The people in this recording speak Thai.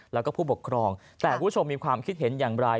แล้วก็ผู้ปกครองแต่ผู้ชมมีความคิดเห็นอย่างไร